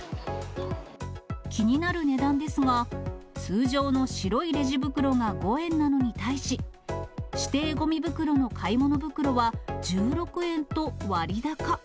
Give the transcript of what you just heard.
気になる値段ですが、通常の白いレジ袋が５円なのに対し、指定ごみ袋の買い物袋は１６円と割高。